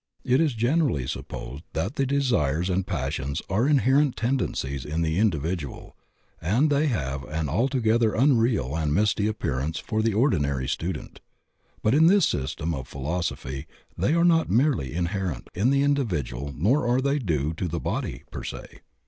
It is generally supposed that the desires and passions are inherent tendencies in the individual, and they I 102 THE OCEAN OF THEOSOPHY have an altogether unreal and misty appearance for the ordmary student. But in this system of phUoso phy they are not merely inherent in the individual nor are they due to the body per se.